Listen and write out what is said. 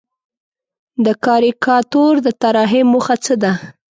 د کاریکاتور د طراحۍ موخه څه ده؟